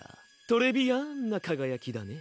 トレビアンなかがやきだね。